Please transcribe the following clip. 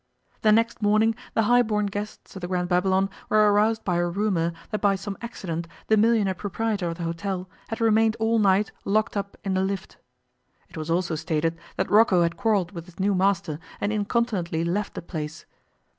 The next morning the high born guests of the Grand Babylon were aroused by a rumour that by some accident the millionaire proprietor of the hotel had remained all night locked up in the lift. It was also stated that Rocco had quarrelled with his new master and incontinently left the place.